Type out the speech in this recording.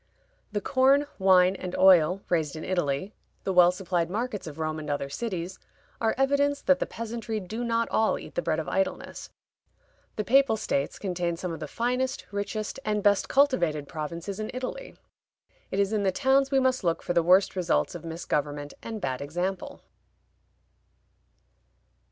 The corn, wine, and oil raised in Italy, the well supplied markets of Rome and other cities, are evidence that the peasantry do not all eat the bread of idleness. The Papal States contain some of the finest, richest, and best cultivated provinces in Italy. It is in the towns we must look for the worst results of misgovernment and bad example.